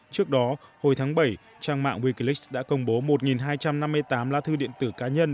trước đó hồi tháng bảy trang mạng wekileaks đã công bố một hai trăm năm mươi tám lá thư điện tử cá nhân